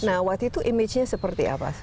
nah waktu itu image nya seperti apa